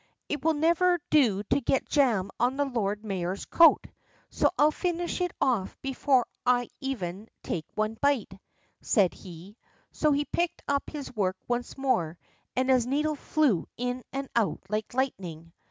"It will never do to get jam on the Lord Mayor's coat, so I'll finish it off before I take even one bite," said he. So he picked up his work once more, and his needle flew in and out like lightning.